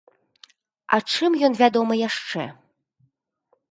А чым ён вядомы яшчэ?